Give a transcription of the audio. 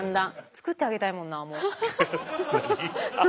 作ってあげたいもんなもう。